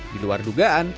di luar dugaan